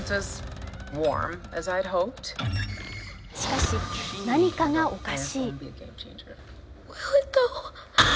しかし、何かがおかしい。